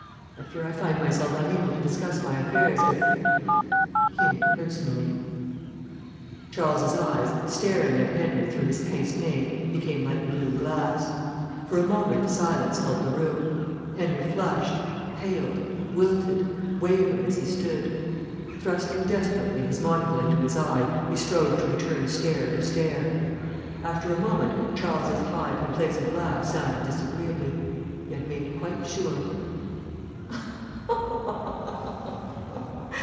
I fear I find myself unable to discuss my affairs with er him personally." Charles's eyes, staring at Henry through his pince nez, became like blue glass. For a moment silence held the room. Henry flushed, paled, wilted, wavered as he stood. Thrusting desperately his monocle into his eye, he strove to return stare for stare. After a moment Charles's high complacent laugh sounded disagreeably. He had made quite sure.